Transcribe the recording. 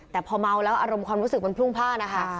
แต่พอเมาแล้วอารมณ์ความรู้สึกมันพรุ่งพลาดนะคะ